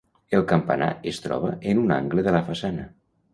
El campanar es troba en un angle a la façana.